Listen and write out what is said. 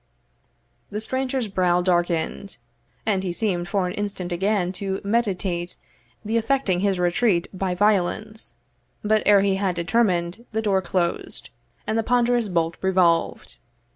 The stranger's brow darkened, and he seemed for an instant again to meditate the effecting his retreat by violence; but ere he had determined, the door closed, and the ponderous bolt revolved.